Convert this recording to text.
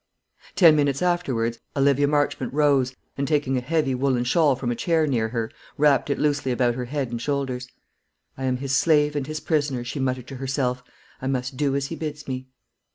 Ten minutes afterwards Olivia Marchmont rose, and taking a heavy woollen shawl from a chair near her, wrapped it loosely about her head and shoulders. "I am his slave and his prisoner," she muttered to herself. "I must do as he bids me."